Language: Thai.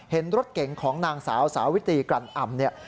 เห็นรถเก่งของนางสาวสาววิตีกรรอำ